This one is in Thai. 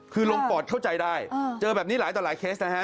คือลงปอดเข้าใจได้เจอแบบนี้หลายต่อหลายเคสนะฮะ